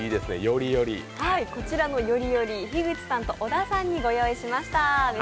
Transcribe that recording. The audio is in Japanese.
こちらのよりより、樋口さんと小田さんにご用意しました。